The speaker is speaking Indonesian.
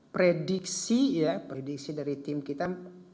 prediksi ya prediksi dari tim kita